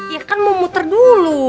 ya kan mau muter dulu